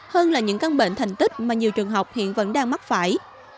hơn là những căn bệnh thành tích mà nhiều trường học hiện vẫn đang mắc phải